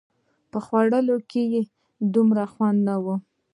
په خوړلو کښې يې دومره خوند نه و.